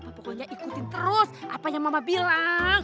pokoknya ikutin terus apa yang mama bilang